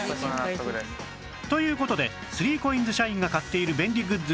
という事で ３ＣＯＩＮＳ 社員が買っている便利グッズ